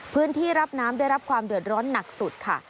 พื้นที่รับน้ำได้รับความเดือดร้อนหนักสุดค่ะ